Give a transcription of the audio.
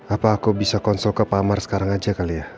apa aku bisa konsol ke pamar sekarang aja kali ya